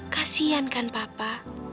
kasian kan papa